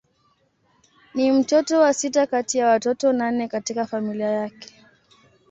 Ni mtoto wa sita kati ya watoto nane katika familia yake.